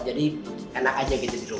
jadi enak aja gitu di rumah